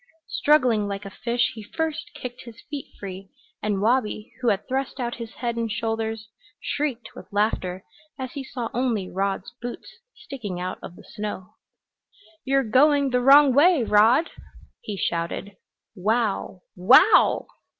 Struggling like a fish he first kicked his feet free, and Wabi, who had thrust out his head and shoulders, shrieked with laughter as he saw only Rod's boots sticking out of the snow. "You're going the wrong way, Rod!" he shouted. "Wow wow!"